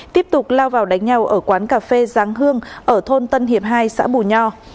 tiếp tục lao vào đánh nhau ở quán cà phê giáng hương ở thôn tân hiệp hai xã bù nho